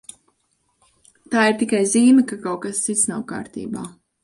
Tā ir tikai zīme, ka kaut kas cits nav kārtībā.